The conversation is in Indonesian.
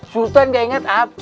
sultan gak inget apa